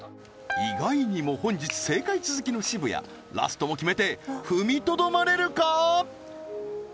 意外にも本日正解続きの渋谷ラストも決めて踏みとどまれるか？